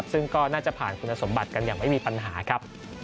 ซึ่งก็น่าจะผ่านคุณสมบัติกันอย่างไม่มีปัญหาครับ